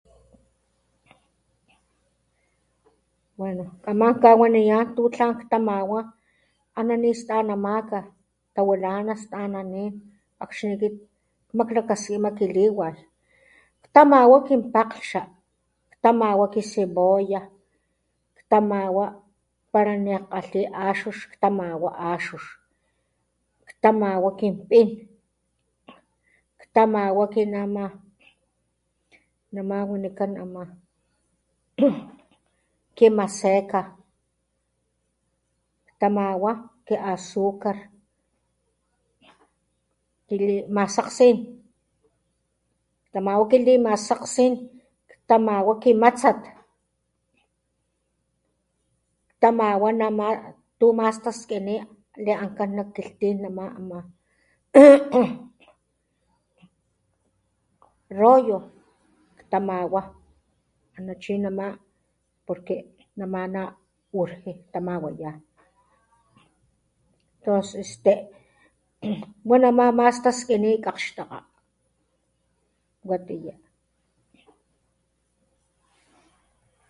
Bueno, kamán kawaniyán tu tlan ktamawá ana ni stananamaka tawilána stananin akxní kit kmaklakaskima kiliway ktamawá kinpakglhcha, ktamawá ki cebolla, ktamawá para nijkgalhi axux ktamawá axux, ktamawá kin pin, ktamawá kin amá, namá wanikán amá [kujunán] ki maseka, ktamawá ki azúcar kilimasakgsín, ktamawá kilimasakgsín, ktamawá kimatsat, ktamawá namá tumastaskiní li'ankan nak kilhtín namá amá [kujunán] rollo ktamawá anachí namá porque nama na urge tamawayá, este wa namá más taskiní kakgxtakga watiyá.